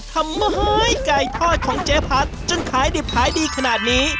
ทำไมไก่ทอดของเจ๊พัดจนขายดิบขายดีขนาดนี้